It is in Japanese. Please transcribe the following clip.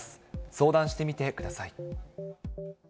相談してみてください。